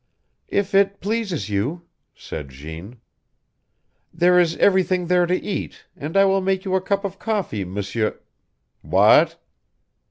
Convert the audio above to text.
"If it pleases you," said Jeanne. "There is everything there to eat, and I will make you a cup of coffee, M'sieur " "What?"